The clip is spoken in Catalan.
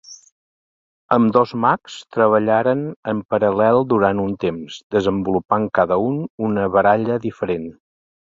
Ambdós mags treballaren en paral·lel durant un temps, desenvolupant cada un una baralla diferent.